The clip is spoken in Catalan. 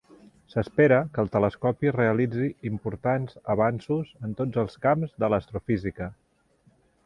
S'espera que el telescopi realitzi importants avanços en tots els camps de l'astrofísica.